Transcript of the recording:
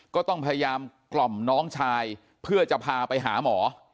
ก็ต้องพยายามกล่อมน้องชายเพื่อจะพาไปหาหมอ